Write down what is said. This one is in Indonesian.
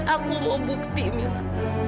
aku mau bukti mila